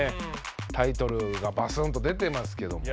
タイトルがバスンと出てますけども。